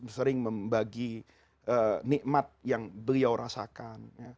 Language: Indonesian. sering membagi nikmat yang beliau rasakan